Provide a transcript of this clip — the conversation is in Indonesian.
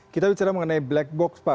kita bicara mengenai black box pak